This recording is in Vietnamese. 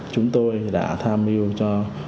chúng tôi đã tham mưu cho